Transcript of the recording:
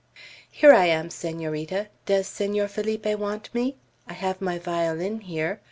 "Here I am, Senorita. Does Senor Felipe want me? I have my violin here.